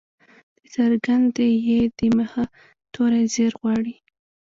د څرګندي ي د مخه توری زير غواړي.